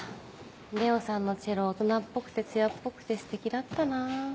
玲緒さんのチェロ大人っぽくて艶っぽくてステキだったな。